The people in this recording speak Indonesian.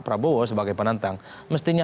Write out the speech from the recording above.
prabowo sebagai penantang mestinya